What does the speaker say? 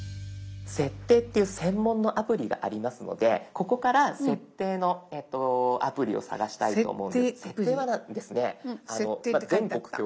「設定」っていう専門のアプリがありますのでここから「設定」のアプリを探したいと思うんですけど「設定」は全国共通というか世界共通。